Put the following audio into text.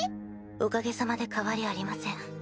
おかげさまで変わりありません。